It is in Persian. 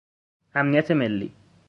امنیت ملی